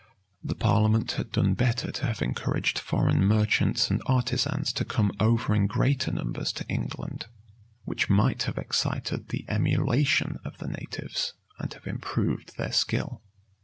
The parliament had done better to have encouraged foreign merchants and artisans to come over in greater numbers to England; which might have excited the emulation of the natives, and have improved their skill.